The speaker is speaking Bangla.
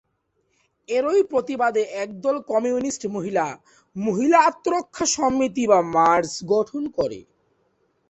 এরই প্রতিবাদে একদল কমিউনিস্ট মহিলা মহিলা আত্মরক্ষা সমিতি বা "মার্স" গঠন করে।